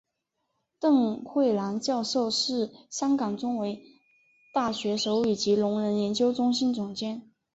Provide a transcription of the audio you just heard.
邓慧兰教授是香港中文大学手语及聋人研究中心总监。